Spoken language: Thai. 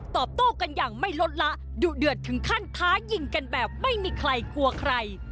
โต้กันอย่างไม่ลดละดุเดือดถึงขั้นท้ายิงกันแบบไม่มีใครกลัวใคร